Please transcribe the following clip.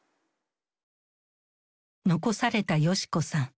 残された世志子さん。